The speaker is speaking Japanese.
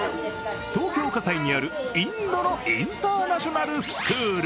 東京・葛西にある、インドのインターナショナルスクール。